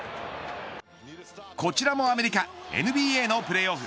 こちらもアメリカＮＢＡのプレーオフ。